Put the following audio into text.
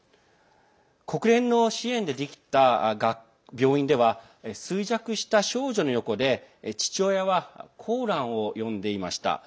国連の支援でできた病院では衰弱した少女の横で父親はコーランを読んでいました。